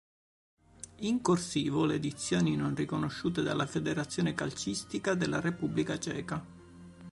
In "corsivo" le edizioni non riconosciute dalla federazione calcistica della Repubblica Ceca.